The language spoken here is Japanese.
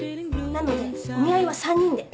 なのでお見合いは３人で。